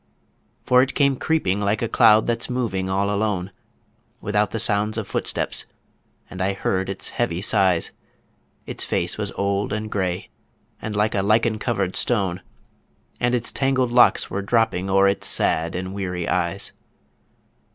For it came creeping like a cloud that's moving all alone, Without the sound of footsteps ... and I heard its heavy sighs ... Its face was old and grey, and like a lichen covered stone, And its tangled locks were dropping o'er its sad and weary eyes.